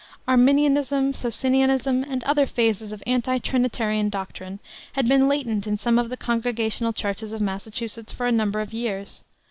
Arminianism, Socinianism, and other phases of anti Trinitarian doctrine, had been latent in some of the Congregational churches of Massachusetts for a number of years.